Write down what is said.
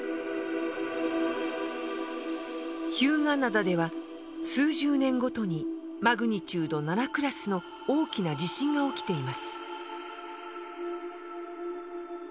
日向灘では数十年ごとにマグニチュード７クラスの大きな地震が起きています。